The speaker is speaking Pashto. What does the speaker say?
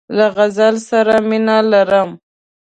له غزل سره مینه لرم.